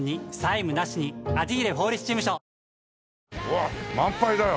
わあ満杯だよ